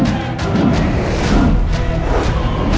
segung hopeless love yang hidup